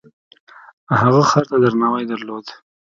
هغه خر ته درناوی درلود.